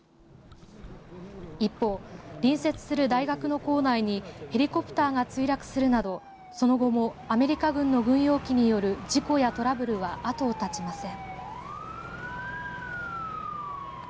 一方、隣接する大学の構内にヘリコプターが墜落するなど、その後もアメリカ軍の軍用機による事故やトラブルはあとを絶ちません。